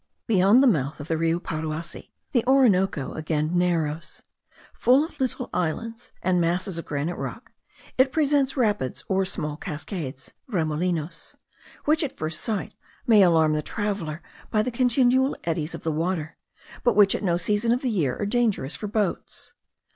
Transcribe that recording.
Beyond the mouth of the Rio Paruasi, the Orinoco again narrows. Full of little islands and masses of granite rock, it presents rapids, or small cascades (remolinos), which at first sight may alarm the traveller by the continual eddies of the water, but which at no season of the year are dangerous for boats.